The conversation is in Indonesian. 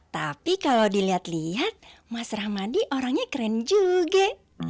tapi kalau dilihat lihat mas rahmadi orangnya keren juga